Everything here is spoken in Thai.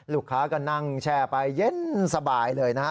ลูกค้าก็นั่งแช่ไปเย็นสบายเลยนะฮะ